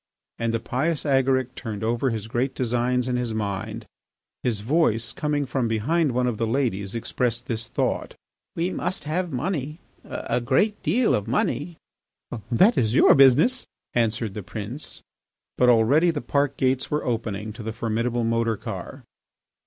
And the pious Agaric turned over his great designs in his mind. His voice, coming from behind one of the ladies, expressed this thought: "We must have money, a great deal of money." "That is your business," answered the prince. But already the park gates were opening to the formidable motor car.